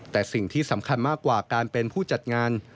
แต่สิ่งที่สำคัญมากกว่าการเป็นผู้จัดงาน